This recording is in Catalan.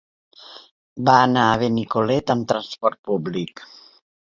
Va anar a Benicolet amb transport públic.